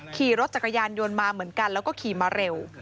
ขี่รถจักรยานยนต์มาเหมือนกันแล้วก็ขี่มาเร็ว